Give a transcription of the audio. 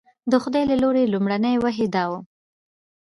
د خدای له لوري لومړنۍ وحي دا وه.